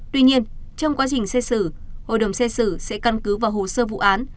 tuy nhiên trong quá trình xét xử hội đồng xét xử sẽ căn cứ vào hồ sơ vụ án